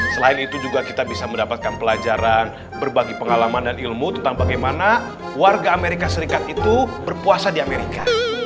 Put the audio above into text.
selain itu juga kita bisa mendapatkan pelajaran berbagi pengalaman dan ilmu tentang bagaimana warga amerika serikat itu berpuasa di amerika